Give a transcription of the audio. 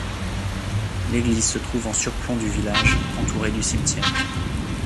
L'église se trouve en surplomb du village, entouré du cimetière.